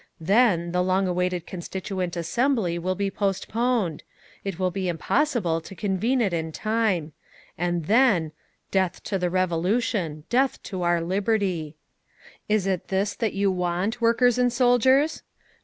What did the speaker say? Then, the long awaited Constituent Assembly will be postponed—it will be impossible to convene it in time. And then—Death to the Revolution, Death to our Liberty…. "Is it this that you want, workers and soldiers?